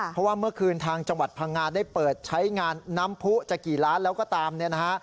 เพราะว่าเมื่อคืนทางจังหวัดพังงาได้เปิดใช้งานน้ำผู้จะกี่ล้านแล้วก็ตามเนี่ยนะฮะ